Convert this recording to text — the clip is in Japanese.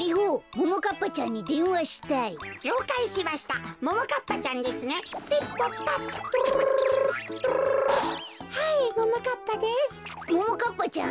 ももかっぱちゃん？